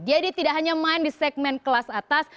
jadi tidak hanya main di segmen kelas atas